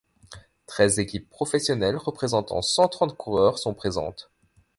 Treize équipes professionnelles représentant cent-trente coureurs sont présentes.